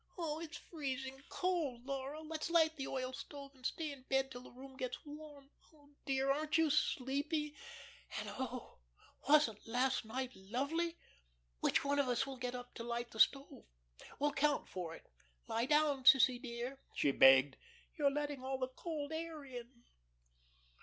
"Oh, it's freezing cold, Laura. Let's light the oil stove and stay in bed till the room gets warm. Oh, dear, aren't you sleepy, and, oh, wasn't last night lovely? Which one of us will get up to light the stove? We'll count for it. Lie down, sissie, dear," she begged, "you're letting all the cold air in."